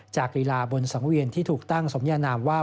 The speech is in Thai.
ลีลาบนสังเวียนที่ถูกตั้งสมยานามว่า